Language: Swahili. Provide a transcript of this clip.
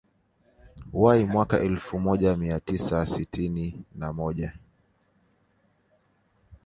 Y mwaka Elfu moja mia tisa sitini na moja